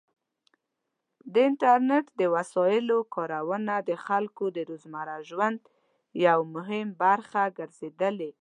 د انټرنیټ د وسایلو کارونه د خلکو د روزمره ژوند یو مهم برخه ګرځېدلې.